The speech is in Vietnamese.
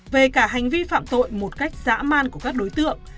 về cả hành vi phạm tội một cách dã man của các đối tượng